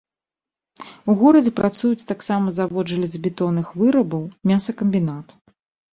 У горадзе працуюць таксама завод жалезабетонных вырабаў, мясакамбінат.